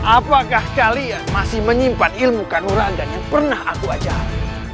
apakah kalian masih menyimpan ilmu kanurandan yang pernah aku ajaran